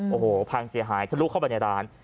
โอ้โหพังเสียหายทะลุเข้าไปในร้าน